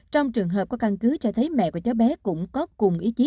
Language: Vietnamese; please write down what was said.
trong trường hợp có căn cứ cho thấy mẹ của cháu bé cũng có cùng ý chí